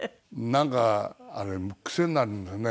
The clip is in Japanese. なんかあれも癖になるんだね。